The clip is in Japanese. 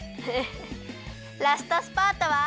ラストスパートは。